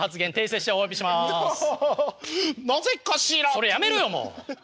それやめろよもう！